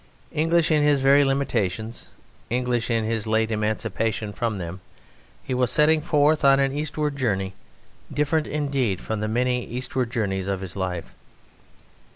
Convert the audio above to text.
English in his very limitations, English in his late emancipation from them, he was setting forth on an eastward journey different indeed from the many eastward journeys of his life.